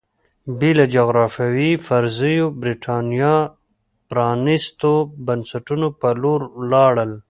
بې له جغرافیوي فرضیو برېټانیا پرانېستو بنسټونو په لور لاړل